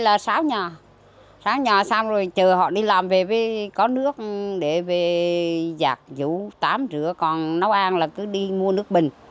là sáu nhà sáu nhà xong rồi chờ họ đi làm về với có nước để về giặt dụ tám rửa còn nấu ăn là cứ đi mua nước bình